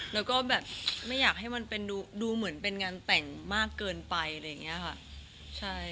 แล้วก็แบบไม่อยากให้มันดูเหมือนเป็นงานแต่งมากเกินไปอะไรอย่างนี้ค่ะ